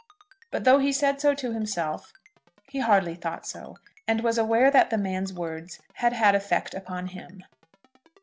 But though he said so to himself, he hardly thought so; and was aware that the man's words had had effect upon him.